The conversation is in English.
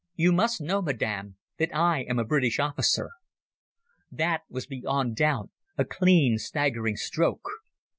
"You must know, Madam, that I am a British officer." That was beyond doubt a clean staggering stroke.